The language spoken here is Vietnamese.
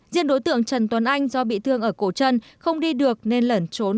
riêng đối tượng trần tuấn anh do bị thương ở cổ chân không đi được nên lẩn trốn